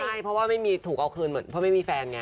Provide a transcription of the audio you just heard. ใช่เพราะว่าไม่มีถูกเอาคืนเหมือนเพราะไม่มีแฟนไง